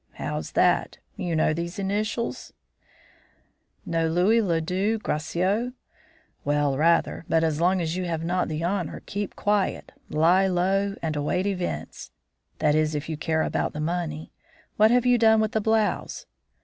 "How's that? You know those initials?" "Know Louis Le Duc Gracieux? Well, rather. But as long as you have not the honour, keep quiet, lie low, and await events. That is, if you care about the money. What have you done with the blouse?"